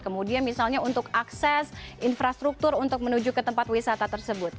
kemudian misalnya untuk akses infrastruktur untuk menuju ke tempat wisata tersebut